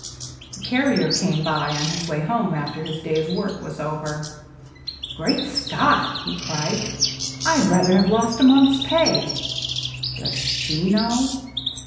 The carrier came by, on his way home after his day's work was over. " Great Scott !" he cried. " I 'd rather have lost a month's pay. Does she know